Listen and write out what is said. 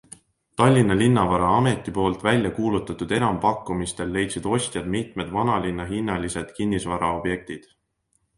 Tallinna Linnavaraameti poolt välja kuulutatud enampakkumistel leidsid ostja mitmed vanalinna hinnaslised kinnisvaraobjektid.